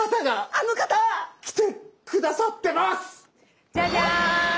あの方？来てくださってます！